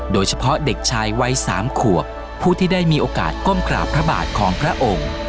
โดยเฉพาะเด็กชายวัย๓ขวบผู้ที่ได้มีโอกาสก้มกราบพระบาทของพระองค์